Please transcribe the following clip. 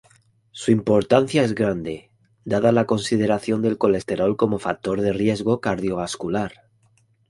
Su importancia es grande, dada la consideración del colesterol como factor de riesgo cardiovascular.